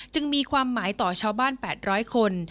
มีความหมายต่อชาวบ้าน๘๐๐คน